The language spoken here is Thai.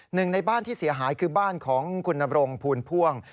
หนึ่งในบ้านที่เสียหายคือบ้านของคุณนบรงภูลพ่วง